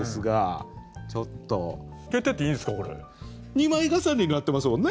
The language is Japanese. ２枚重ねになってますもんね。